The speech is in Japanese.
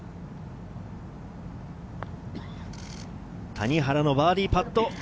谷原のバーディーパット。